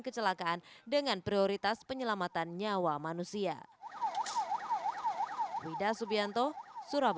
kecelakaan dengan prioritas penyelamatan nyawa manusia wida subianto surabaya